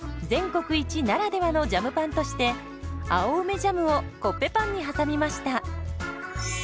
全国一ならではのジャムパンとして青梅ジャムをコッペパンに挟みました。